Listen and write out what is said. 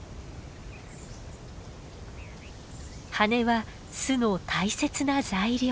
羽根は巣の大切な材料。